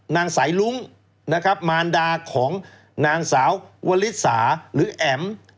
นางสายลุ้งนะครับมารดาของนางสาววลิสาหรือแอ๋ม